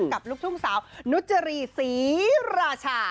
ลูกทุ่งสาวนุจรีศรีราชา